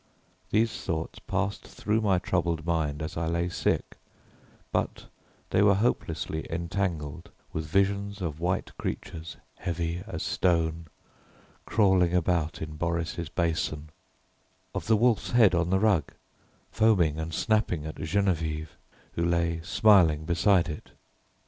These thoughts passed through my troubled mind as I lay sick, but they were hopelessly entangled with visions of white creatures, heavy as stone, crawling about in Boris' basin, of the wolf's head on the rug, foaming and snapping at Geneviève, who lay smiling beside it.